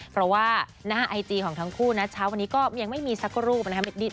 เพราะว่าหน้าไอจีของทั้งคู่นะเช้าวันนี้ก็ยังไม่มีสักรูปนะครับ